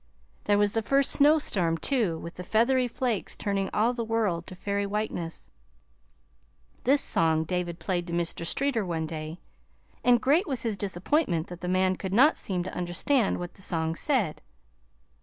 There was the first snowstorm, too, with the feathery flakes turning all the world to fairy whiteness. This song David played to Mr. Streeter, one day, and great was his disappointment that the man could not seem to understand what the song said.